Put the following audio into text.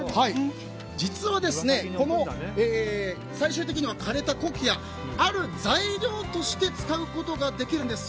実は、最終的には枯れたコキアをある材料として使うことができるんです。